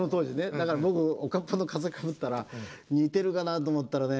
だから、僕おかっぱのカツラかぶったら似てるかなと思ったらね